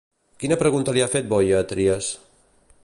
Quina pregunta li ha fet Boya a Trias?